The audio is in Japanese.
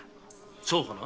そうかな？